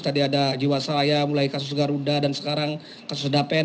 tadi ada jiwasraya mulai kasus garuda dan sekarang kasus dapen